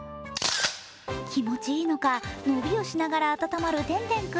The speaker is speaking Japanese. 気持ちいいのか、のびをしながら温まるテンテン君。